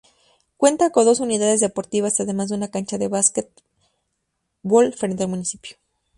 Cuenta con dos unidades deportivas, además de una cancha de básquetbol frente al municipio.